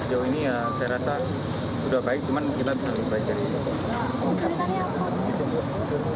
sejauh ini ya saya rasa sudah baik cuman istilahnya lebih baik dari kemungkinan